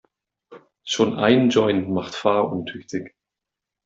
Schon ein Joint macht fahruntüchtig.